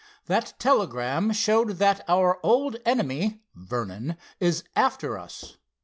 "That telegram showed that our old time enemy, Vernon, is after us.